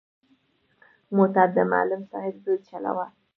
موټر د معلم صاحب زوی چلاوه.